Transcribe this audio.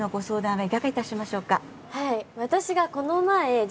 はい。